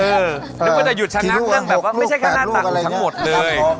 อือนึกว่าจะหยุดชั้นน้ำต้องนั่งแบบว่าไม่ใช่แค่หน้าตาทั้งหมดเลย